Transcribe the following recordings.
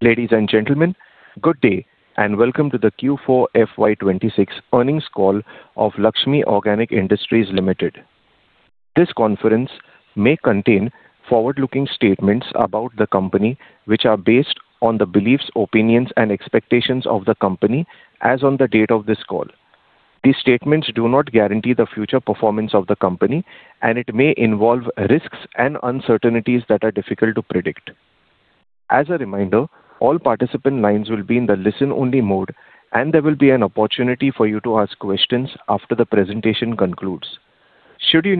Ladies and gentlemen, good day, and welcome to the Q4 FY2026 earnings call of Laxmi Organic Industries Limited. This conference may contain forward-looking statements about the company, which are based on the beliefs, opinions, and expectations of the company as on the date of this call. These statements do not guarantee the future performance of the company, and it may involve risks and uncertainties that are difficult to predict. As a reminder, all participant lines will be in the listen-only mode, and there will be an opportunity for you to ask questions after the presentation concludes. I now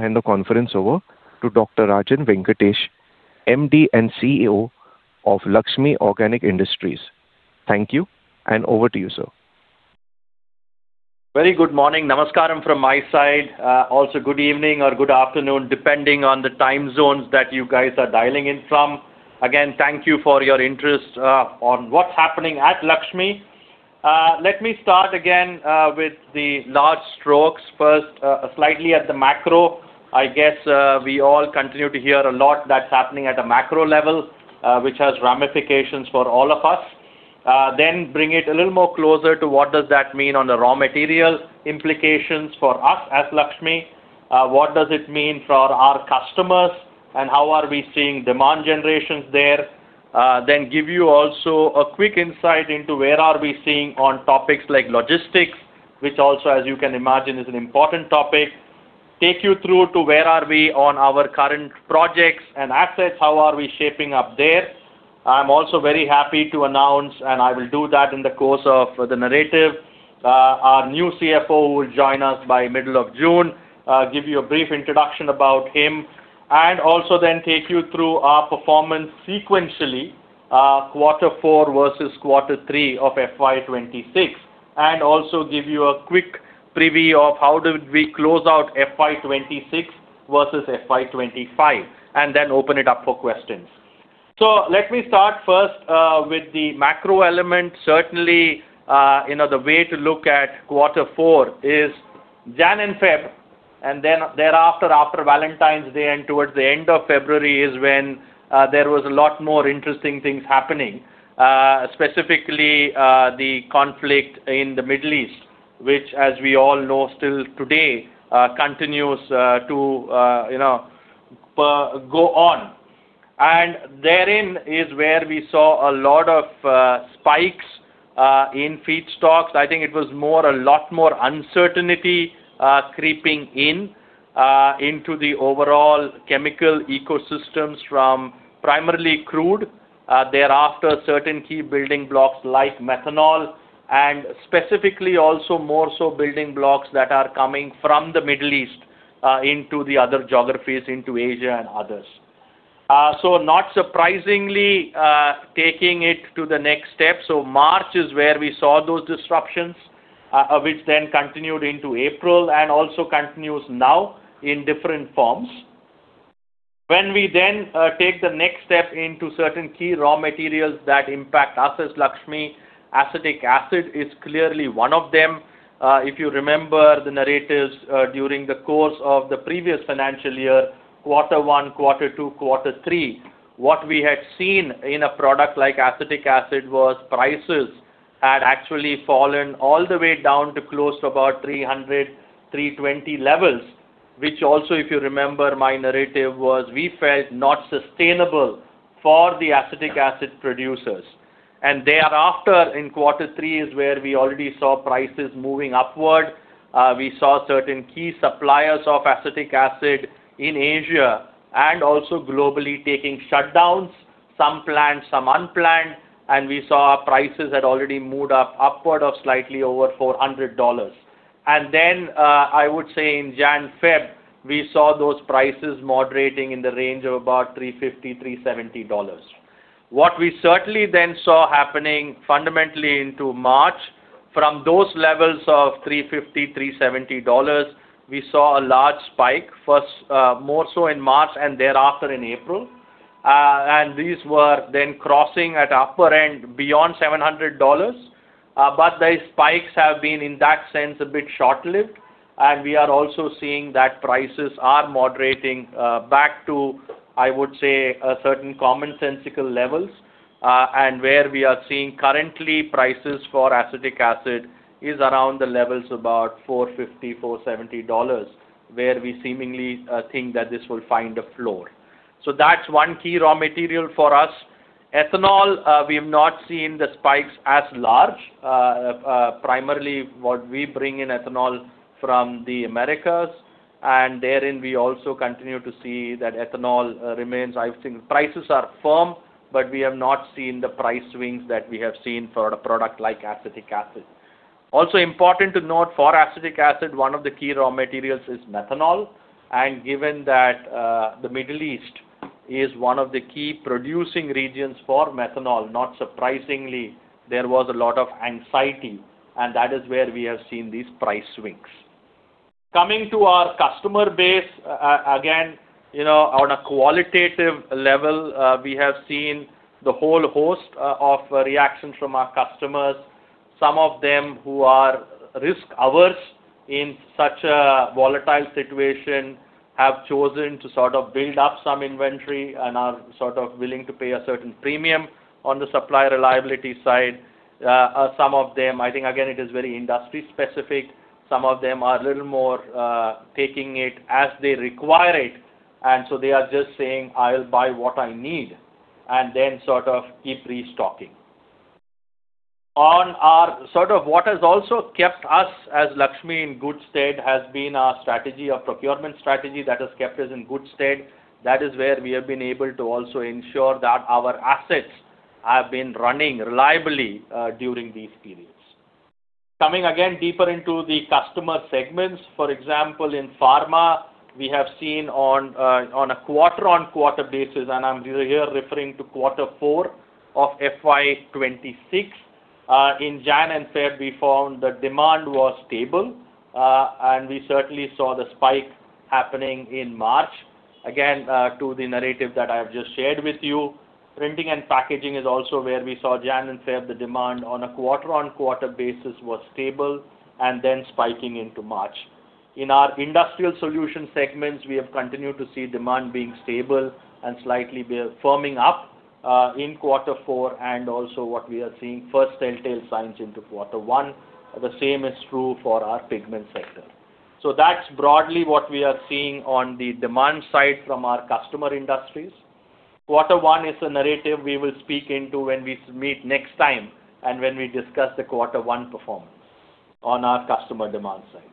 hand the conference over to Rajan Venkatesh, MD and CEO of Laxmi Organic Industries. Thank you, and over to you, sir. Very good morning. Namaskaram from my side. Also, good evening or good afternoon, depending on the time zones that you guys are dialing in from. Again, thank you for your interest on what's happening at Laxmi. Let me start again with the large strokes first, slightly at the macro. I guess we all continue to hear a lot that's happening at a macro level, which has ramifications for all of us. Bring it a little more closer to what does that mean on the raw material implications for us as Laxmi. What does it mean for our customers, and how are we seeing demand generations there? Give you also a quick insight into where are we seeing on topics like logistics, which also, as you can imagine, is an important topic. Take you through to where are we on our current projects and assets, how are we shaping up there. I am also very happy to announce, and I will do that in the course of the narrative, our new CFO will join us by middle of June. Give you a brief introduction about him, and also then take you through our performance sequentially, quarter four versus quarter three of FY 2026, and also give you a quick preview of how did we close out FY 2026 versus FY 2025, and then open it up for questions. Let me start first with the macro element. Certainly, the way to look at quarter four is January and February, and then thereafter after Valentine's Day and towards the end of February is when there was a lot more interesting things happening, specifically the conflict in the Middle East, which as we all know still today continues to go on. Therein is where we saw a lot of spikes in feedstocks. I think it was a lot more uncertainty creeping in, into the overall chemical ecosystems from primarily crude, thereafter certain key building blocks like methanol, and specifically also more so building blocks that are coming from the Middle East into the other geographies, into Asia and others. Not surprisingly, taking it to the next step. March is where we saw those disruptions, which then continued into April and also continues now in different forms. When we take the next step into certain key raw materials that impact us as Laxmi, acetic acid is clearly one of them. If you remember the narratives during the course of the previous financial year, quarter one, quarter two, quarter three, what we had seen in a product like acetic acid was prices had actually fallen all the way down to close to about $300-$320 levels, which also, if you remember my narrative was we felt not sustainable for the acetic acid producers. Thereafter in quarter three is where we already saw prices moving upward. We saw certain key suppliers of acetic acid in Asia and also globally taking shutdowns, some planned, some unplanned, and we saw prices had already moved up upward of slightly over $400. Then, I would say in January, February, we saw those prices moderating in the range of about $350-$370. What we certainly then saw happening fundamentally into March, from those levels of $350-$370, we saw a large spike, first more so in March and thereafter in April. These were then crossing at upper end beyond $700. The spikes have been, in that sense, a bit short-lived, and we are also seeing that prices are moderating back to, I would say, certain commonsensical levels, and where we are seeing currently prices for acetic acid is around the levels about $450-$470, where we seemingly think that this will find a floor. That's one key raw material for us. Ethanol, we have not seen the spikes as large. Primarily what we bring in ethanol from the Americas. Therein we also continue to see that ethanol remains, I would think prices are firm. We have not seen the price swings that we have seen for a product like acetic acid. Also important to note for acetic acid, one of the key raw materials is methanol. Given that the Middle East is one of the key producing regions for methanol, not surprisingly, there was a lot of anxiety. That is where we have seen these price swings. Coming to our customer base, again, on a qualitative level, we have seen the whole host of reactions from our customers. Some of them who are risk-averse in such a volatile situation have chosen to build up some inventory and are willing to pay a certain premium on the supply reliability side. Some of them, I think, again, it is very industry specific. Some of them are a little more taking it as they require it, and so they are just saying, "I will buy what I need," and then keep restocking. What has also kept us as Laxmi in good state has been our strategy, our procurement strategy that has kept us in good state. That is where we have been able to also ensure that our assets have been running reliably during these periods. Coming again deeper into the customer segments. For example, in pharma, we have seen on a quarter-on-quarter basis, and I am here referring to Quarter Four of FY 2026. In January and February, we found the demand was stable, and we certainly saw the spike happening in March. Again, to the narrative that I have just shared with you. Printing and packaging is also where we saw Jan and Feb, the demand on a quarter-on-quarter basis was stable and then spiking into March. In our industrial solution segments, we have continued to see demand being stable and slightly firming up, in Quarter Four and also what we are seeing first telltale signs into Quarter One. The same is true for our pigment sector. That's broadly what we are seeing on the demand side from our customer industries. Quarter One is a narrative we will speak into when we meet next time and when we discuss the Quarter One performance on our customer demand side.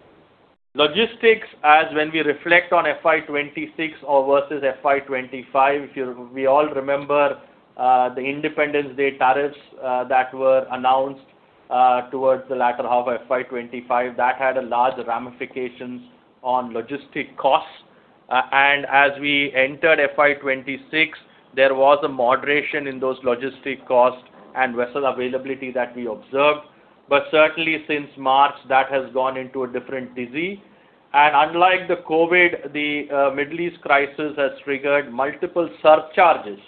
Logistics, as when we reflect on FY 2026 or versus FY 2025, we all remember the Independence Day tariffs that were announced towards the latter half of FY 2025. That had a large ramifications on logistic costs. As we entered FY 2026, there was a moderation in those logistic costs and vessel availability that we observed. Certainly since March, that has gone into a different disease. Unlike the COVID, the Middle East crisis has triggered multiple surcharges.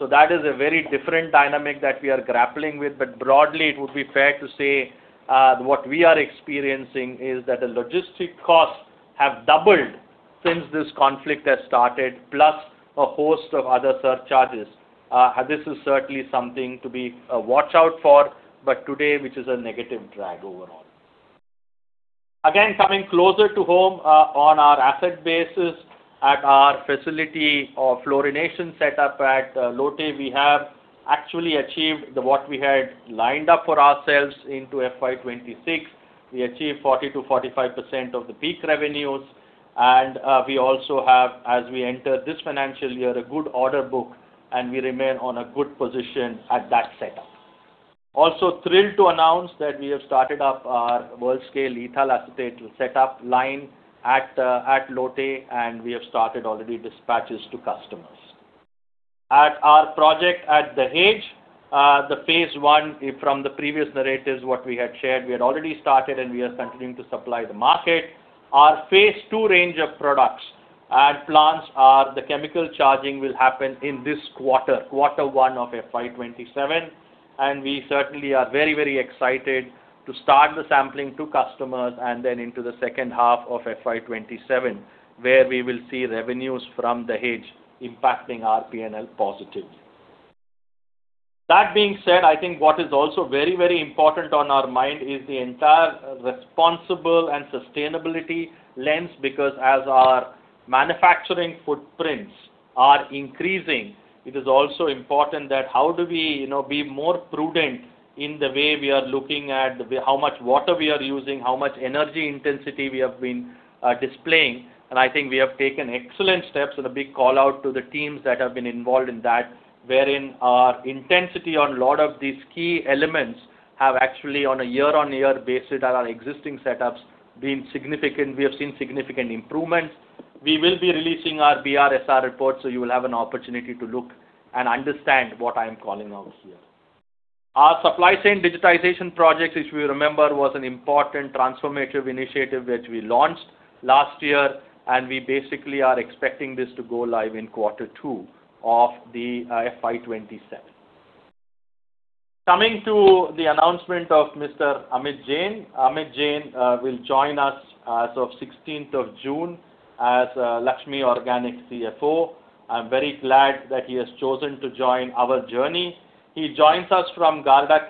That is a very different dynamic that we are grappling with. Broadly, it would be fair to say, what we are experiencing is that the logistic costs have doubled since this conflict has started, plus a host of other surcharges. This is certainly something to be watch out for, but today, which is a negative drag overall. Again, coming closer to home, on our asset bases at our facility of fluorination set up at Lote, we have actually achieved what we had lined up for ourselves into FY 2026. We achieved 40%-45% of the peak revenues. We also have, as we enter this financial year, a good order book. We remain on a good position at that setup. Thrilled to announce that we have started up our world scale ethyl acetate setup line at Lote. We have started already dispatches to customers. At our project at Dahej, the phase 1 from the previous narratives, what we had shared, we had already started. We are continuing to supply the market. Our phase 2 range of products at plants are the chemical charging will happen in this quarter, Quarter 1 of FY27. We certainly are very excited to start the sampling to customers and then into the second half of FY27, where we will see revenues from Dahej impacting our P&L positively. That being said, I think what is also very important on our mind is the entire responsible and sustainability lens, because as our manufacturing footprints are increasing, it is also important that how do we be more prudent in the way we are looking at how much water we are using, how much energy intensity we have been displaying, and I think we have taken excellent steps and a big call-out to the teams that have been involved in that, wherein our intensity on a lot of these key elements have actually on a year-on-year basis at our existing setups been significant. We have seen significant improvements. We will be releasing our BRSR report, so you will have an opportunity to look and understand what I am calling out here. Our supply chain digitization projects, if you remember, was an important transformative initiative which we launched last year, and we basically are expecting this to go live in Quarter 2 of the FY 2027. Coming to the announcement of Amit Jain. Amit Jain will join us as of 16th of June as Laxmi Organic CFO. I'm very glad that he has chosen to join our journey. He joins us from Galderma,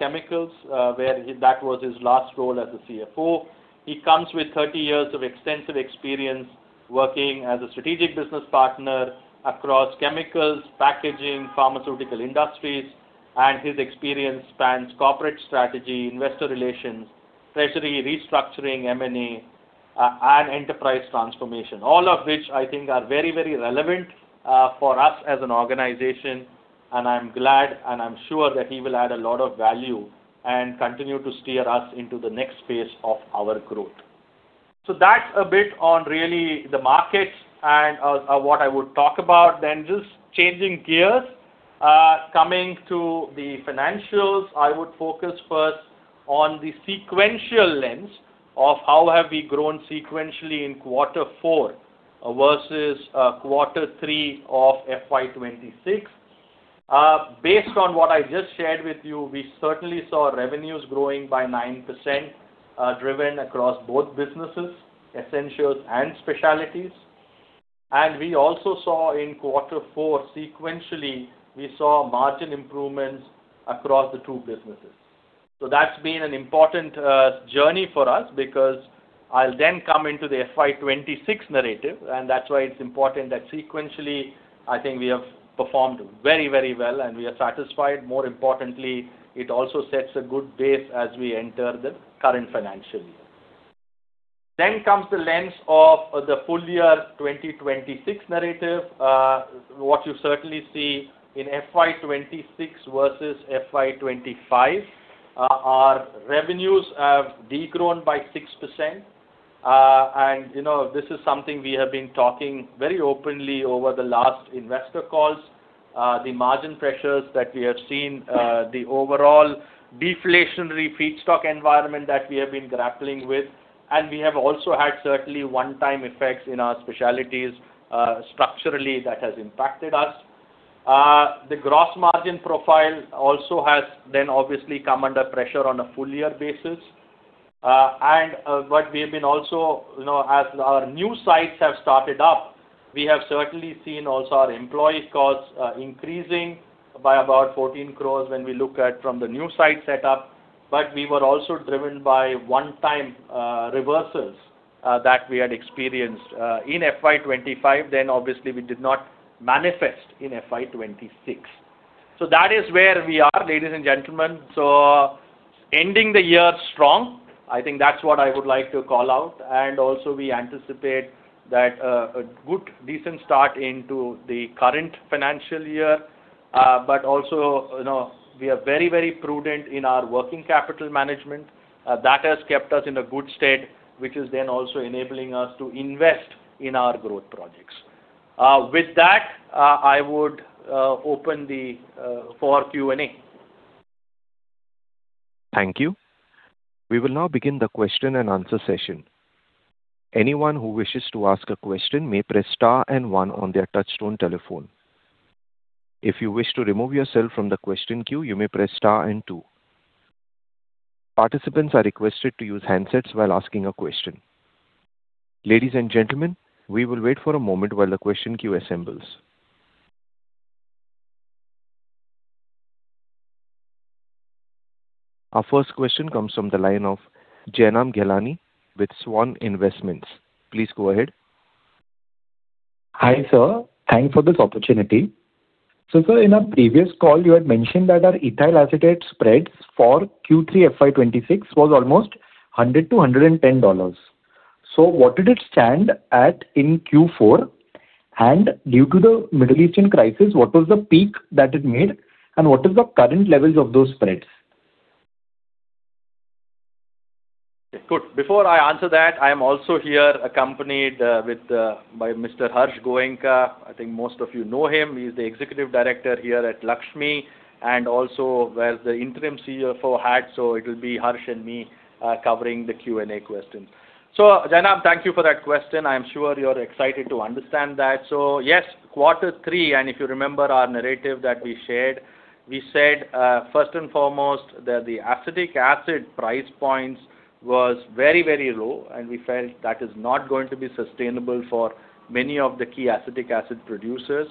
where that was his last role as a CFO. He comes with 30 years of extensive experience working as a strategic business partner across chemicals, packaging, pharmaceutical industries, and his experience spans corporate strategy, investor relations, treasury, restructuring, M&A, and enterprise transformation. All of which I think are very relevant for us as an organization, and I'm glad and I'm sure that he will add a lot of value and continue to steer us into the next phase of our growth. That's a bit on really the markets and what I would talk about. Just changing gears-Coming to the financials, I would focus first on the sequential lens of how have we grown sequentially in quarter four versus quarter three of FY 2026. Based on what I just shared with you, we certainly saw revenues growing by 9%, driven across both businesses, essentials and specialties. We also saw in quarter four sequentially, we saw margin improvements across the two businesses. That's been an important journey for us, because I'll then come into the FY 2026 narrative, That's why it's important that sequentially, I think we have performed very well and we are satisfied. More importantly, it also sets a good base as we enter the current financial year. Comes the lens of the full year 2026 narrative. What you certainly see in FY 2026 versus FY 2025, our revenues have de-grown by 6%. This is something we have been talking very openly over the last investor calls. The margin pressures that we have seen, the overall deflationary feedstock environment that we have been grappling with, and we have also had certainly one-time effects in our specialties, structurally, that has impacted us. The gross margin profile also has then obviously come under pressure on a full year basis. What we have been also, as our new sites have started up, we have certainly seen also our employee costs increasing by about 14 crores when we look at from the new site set up. We were also driven by one-time reversals that we had experienced in FY 2025, then obviously we did not manifest in FY 2026. That is where we are, ladies and gentlemen. Ending the year strong, I think that's what I would like to call out. Also we anticipate that a good, decent start into the current financial year. Also, we are very prudent in our working capital management. That has kept us in a good state, which is then also enabling us to invest in our growth projects. With that, I would open for Q&A. Thank you. We will now begin the question and answer session. Anyone who wishes to ask a question may press star and one on their touchtone telephone. If you wish to remove yourself from the question queue, you may press star and two. Participants are requested to use handsets while asking a question. Ladies and gentlemen, we will wait for a moment while the question queue assembles. Our first question comes from the line of Jainam Gelani with Swan Investments. Please go ahead. Hi, sir. Thanks for this opportunity. Sir, in a previous call, you had mentioned that our ethyl acetate spreads for Q3 FY 2026 was almost $100-$110. What did it stand at in Q4? Due to the Middle Eastern crisis, what was the peak that it made, and what is the current levels of those spreads? Good. Before I answer that, I am also here accompanied by Mr. Harshvardhan Goenka. I think most of you know him. He's the Executive Director here at Laxmi, and also wears the Interim CFO hat. It'll be Harsh and me covering the Q&A questions. Jainam, thank you for that question. I'm sure you're excited to understand that. Yes, quarter three, and if you remember our narrative that we shared, we said, first and foremost, that the acetic acid price points was very low, and we felt that is not going to be sustainable for many of the key acetic acid producers,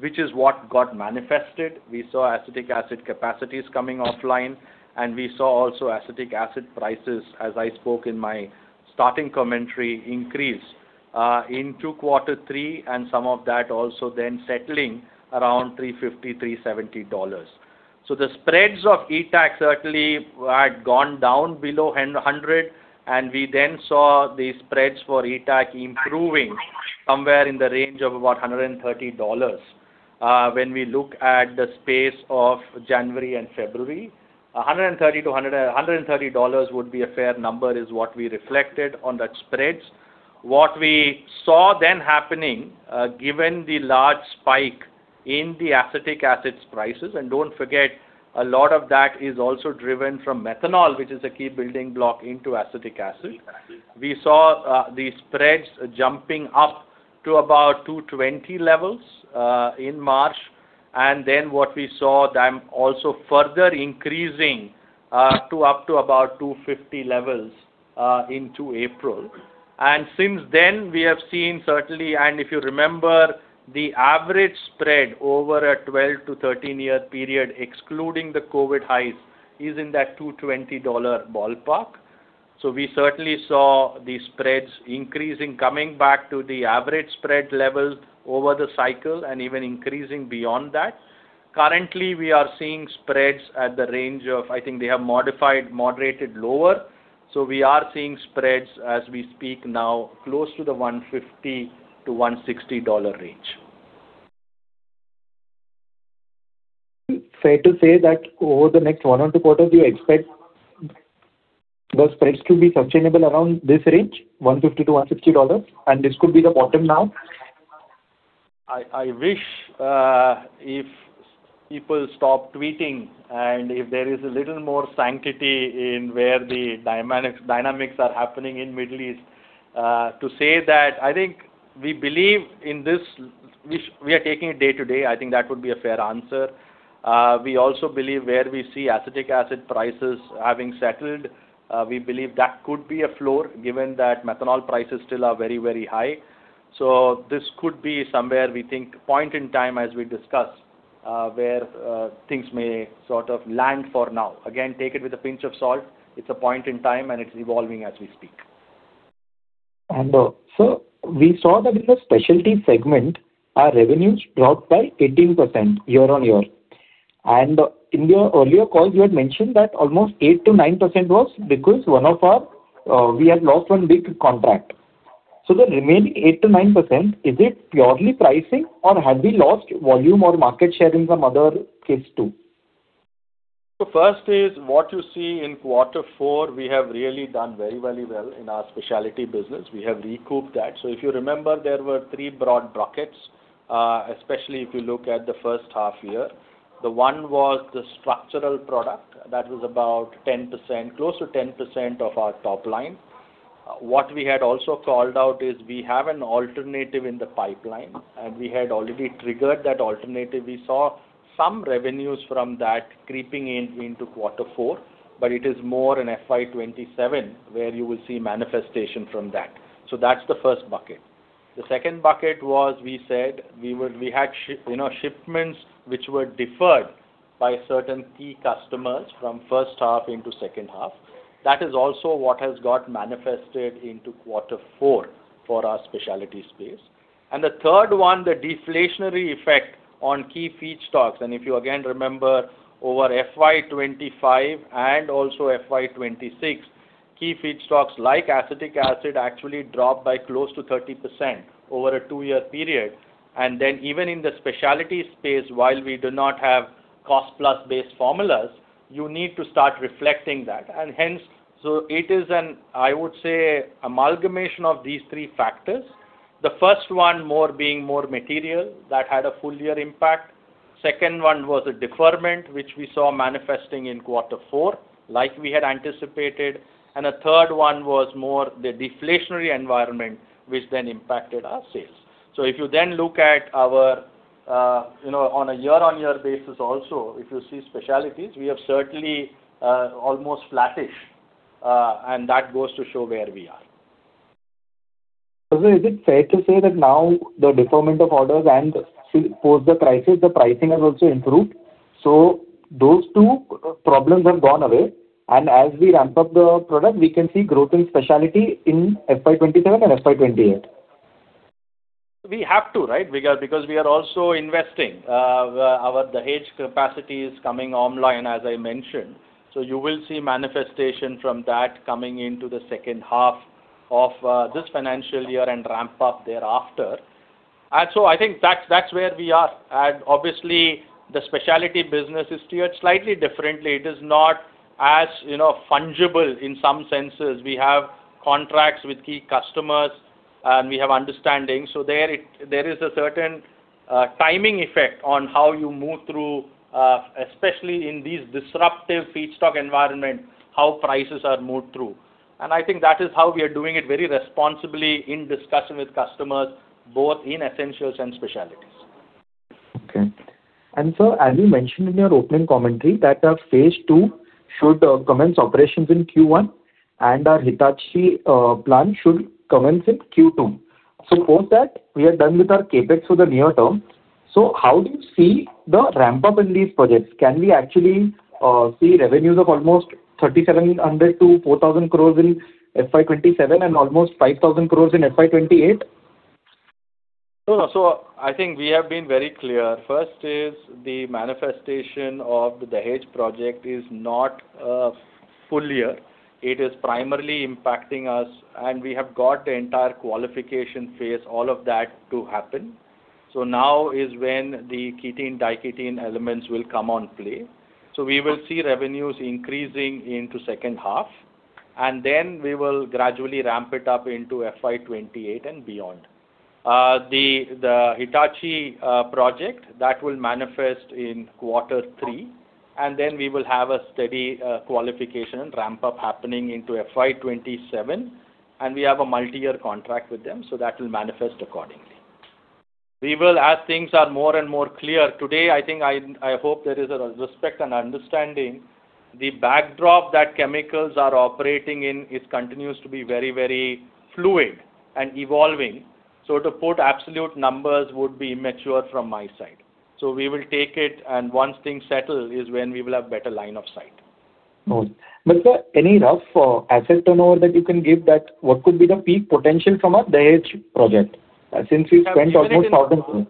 which is what got manifested. We saw acetic acid capacities coming offline, and we saw also acetic acid prices, as I spoke in my starting commentary, increase into quarter three, and some of that also then settling around $350, $370. The spreads of ETAC certainly had gone down below 100, and we then saw the spreads for ETAC improving somewhere in the range of about INR 130. When we look at the space of January and February, INR 130 would be a fair number is what we reflected on that spreads. What we saw then happening, given the large spike in the acetic acid prices, and don't forget, a lot of that is also driven from methanol, which is a key building block into acetic acid. We saw the spreads jumping up to about 220 levels in March. What we saw them also further increasing to up to about 250 levels into April. Since then, we have seen certainly, and if you remember, the average spread over a 12-13-year period, excluding the COVID highs, is in that INR 220 ballpark. We certainly saw the spreads increasing, coming back to the average spread level over the cycle and even increasing beyond that. Currently, we are seeing spreads at the range of, I think they have moderated lower. We are seeing spreads as we speak now, close to the $150-$160 range. Fair to say that over the next one or two quarters, we expect the spreads could be sustainable around this range, $150-$160, and this could be the bottom now? I wish if people stop tweeting and if there is a little more sanctity in where the dynamics are happening in Middle East to say that, I think we believe in this, which we are taking it day to day. I think that would be a fair answer. We also believe where we see acetic acid prices having settled, we believe that could be a floor, given that methanol prices still are very high. This could be somewhere we think point in time as we discuss, where things may sort of land for now. Again, take it with a pinch of salt. It’s a point in time and it’s evolving as we speak. Sir, we saw that in the specialty segment, our revenues dropped by 18% year-on-year. In your earlier call, you had mentioned that almost 8%-9% was because we had lost one big contract. The remaining 8%-9%, is it purely pricing, or have we lost volume or market share in some other case too? First is what you see in quarter four, we have really done very well in our specialty business. We have recouped that. If you remember, there were three broad brackets, especially if you look at the first half year. The one was the structural product. That was about close to 10% of our top line. What we had also called out is we have an alternative in the pipeline, and we had already triggered that alternative. We saw some revenues from that creeping in into quarter four, but it is more in FY 2027 where you will see manifestation from that. That’s the first bucket. The second bucket was we said we had shipments which were deferred by certain key customers from first half into second half. That is also what has got manifested into quarter four for our specialty space. The third one, the deflationary effect on key feedstocks. If you again remember over FY 2025 and also FY 2026, key feedstocks like acetic acid actually dropped by close to 30% over a two-year period. Even in the specialty space, while we do not have cost-plus based formulas, you need to start reflecting that. Hence, it is an, I would say, amalgamation of these three factors. The first one being more material that had a full year impact. Second one was a deferment, which we saw manifesting in quarter four like we had anticipated. A third one was more the deflationary environment, which then impacted our sales. If you then look on a year-on-year basis also, if you see specialties, we have certainly almost flattish, and that goes to show where we are. Is it fair to say that now the deferment of orders and post the crisis, the pricing has also improved. Those two problems have gone away, and as we ramp up the product, we can see growth in specialty in FY 2027 and FY 2028. We have to. Because we are also investing. The Dahej capacity is coming online, as I mentioned. You will see manifestation from that coming into the second half of this financial year and ramp up thereafter. I think that’s where we are. Obviously the specialty business is tiered slightly differently. It is not as fungible in some senses. We have contracts with key customers and we have understanding. There is a certain timing effect on how you move through, especially in these disruptive feedstock environment, how prices are moved through. I think that is how we are doing it very responsibly in discussion with customers, both in essentials and specialties. Okay. Sir, as you mentioned in your opening commentary that our phase II should commence operations in Q1 and our Hitachi plant should commence in Q2. Post that, we are done with our CapEx for the near term. How do you see the ramp-up in these projects? Can we actually see revenues of almost 3,700 crore-4,000 crore in FY 2027 and almost 5,000 crore in FY 2028? I think we have been very clear. First is the manifestation of the Dahej project is not a full year. It is primarily impacting us, and we have got the entire qualification phase, all of that to happen. Now is when the ketene, diketene elements will come on play. We will see revenues increasing into second half, and then we will gradually ramp it up into FY 2028 and beyond. The Hitachi project, that will manifest in quarter three, and then we will have a steady qualification ramp-up happening into FY 2027. We have a multi-year contract with them, so that will manifest accordingly. We will, as things are more and more clear today, I hope there is a respect and understanding. The backdrop that chemicals are operating in, it continues to be very fluid and evolving. To put absolute numbers would be immature from my side. We will take it, and once things settle is when we will have better line of sight. No. Sir, any rough asset turnover that you can give that what could be the peak potential from a Dahej project since we spent almost 1,000-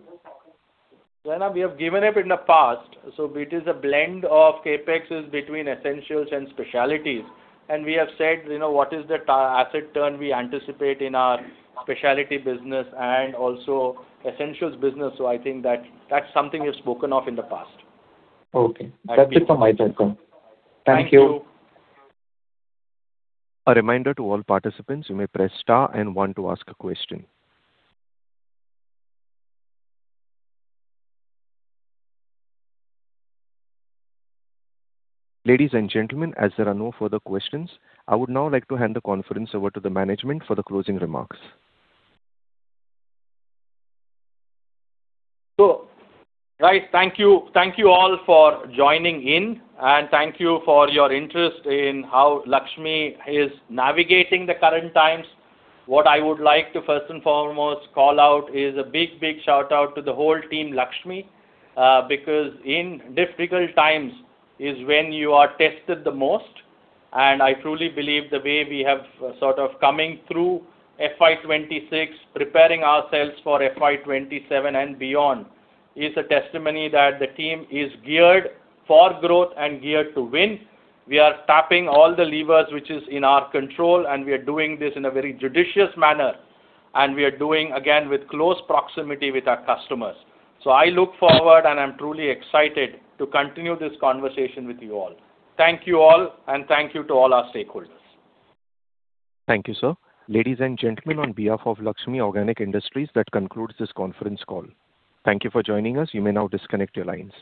We have given it in the past. It is a blend of CapExes between essentials and specialties. We have said, what is the asset turn we anticipate in our specialty business and also essentials business. I think that's something we've spoken of in the past. Okay. That's it from my side, sir. Thank you. Thank you. Ladies and gentlemen, as there are no further questions, I would now like to hand the conference over to the management for the closing remarks. Guys, thank you all for joining in, and thank you for your interest in how Laxmi is navigating the current times. What I would like to first and foremost call out is a big shout-out to the whole team Laxmi, because in difficult times is when you are tested the most, and I truly believe the way we have sort of coming through FY 2026, preparing ourselves for FY 2027 and beyond is a testimony that the team is geared for growth and geared to win. We are tapping all the levers which is in our control, and we are doing this in a very judicious manner, and we are doing, again, with close proximity with our customers. I look forward, and I'm truly excited to continue this conversation with you all. Thank you all, and thank you to all our stakeholders. Thank you, sir. Ladies and gentlemen, on behalf of Laxmi Organic Industries, that concludes this conference call. Thank you for joining us. You may now disconnect your lines.